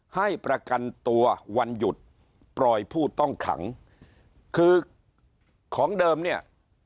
ให้ประกันตัววันหยุดปล่อยผู้ต้องขังคือของเดิมเนี่ย